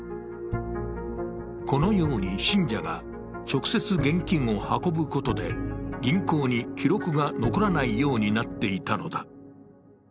このように信者が直接現金を運ぶことで銀行に記録が残らないようになっていたのだ。